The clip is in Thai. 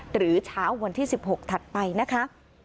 หรือเช้าวันที่๑๖ถัดไปนะคะ